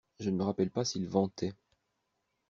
Je ne me rappelle pas s’il ventait.